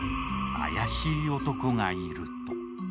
怪しい男がいると。